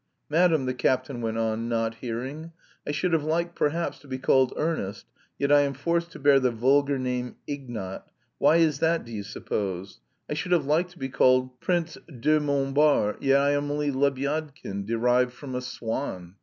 "Madam," the captain went on, not hearing, "I should have liked perhaps to be called Ernest, yet I am forced to bear the vulgar name Ignat why is that do you suppose? I should have liked to be called Prince de Monbart, yet I am only Lebyadkin, derived from a swan.